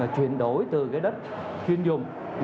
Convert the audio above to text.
chuyển đổi từ đất chuyên dùng